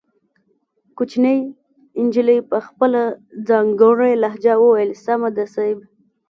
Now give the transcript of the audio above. کوچنۍ نجلۍ په خپله ځانګړې لهجه وويل سمه ده صيب.